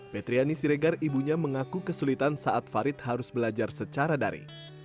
petriani siregar ibunya mengaku kesulitan saat farid harus belajar secara dari